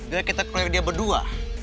bila kita keluar dia berdua